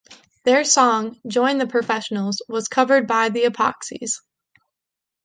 Their song "Join the Professionals" was covered by the Epoxies.